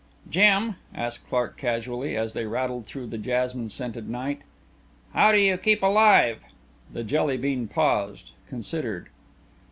"Jim," asked Clark casually, as they rattled through the jasmine scented night, "how do you keep alive?" The Jelly bean paused, considered.